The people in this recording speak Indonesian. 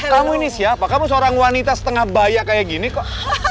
kamu ini siapa kamu seorang wanita setengah bayar kayak gini kok